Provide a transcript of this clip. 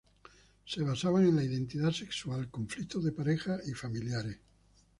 Se basaban en la identidad sexual, conflictos de pareja y familiares.